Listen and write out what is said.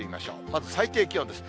まず最低気温です。